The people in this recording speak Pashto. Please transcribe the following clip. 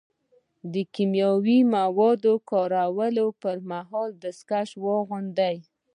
د کیمیاوي موادو کارولو پر مهال دستکشې واغوندئ.